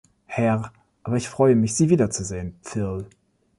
Herr, aber ich freue mich, Sie wiederzusehen, Phil.